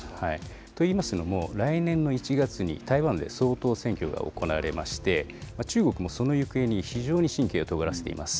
といいますのも、来年の１月に、台湾で総統選挙が行われまして、中国もその行方に、非常に神経をとがらせています。